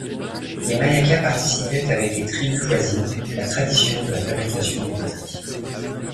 Les Mayacas participaient avec les tribus voisines, la tradition de la fabrication des poteries.